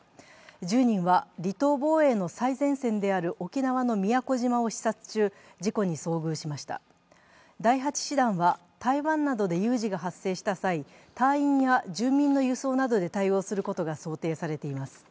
１０人は離島防衛の最前線である沖縄の宮古島を視察中、事故に遭遇しました第８師団は台湾などで有事が発生した際、隊員や住民の輸送などで対応することなどが想定されています。